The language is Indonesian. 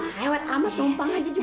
hewat amat tumpang aja juga